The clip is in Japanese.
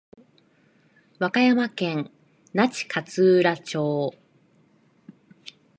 和歌山県那智勝浦町